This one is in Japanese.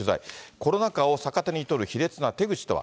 コロナ禍を逆手に取る卑劣な手口とは。